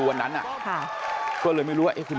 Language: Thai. ลาออกจากหัวหน้าพรรคเพื่อไทยอย่างเดียวเนี่ย